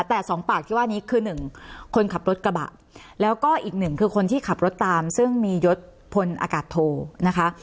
แต่สองปากที่ว่านี้คือหนึ่งคนขับรถกระบะแล้วก็อีกหนึ่งคือคนที่ขับรถตามซึ่งมียศพลอากาศโทนะคะ